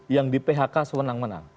yang di phk sewenang wenang